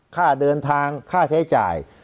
ค่าเดินทางค่าใช้จ่าย